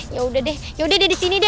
yaudah deh di sini deh